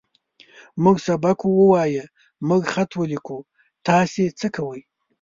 موږ سبق ووايه. موږ خط وليکو. تاسې څۀ کوئ؟